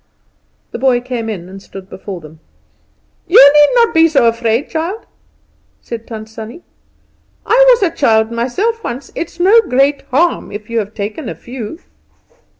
The boy came in and stood before them. "You need not be so afraid, child," said Tant Sannie. "I was a child myself once. It's no great harm if you have taken a few."